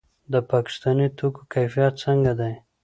د پاکستاني توکو کیفیت څنګه دی؟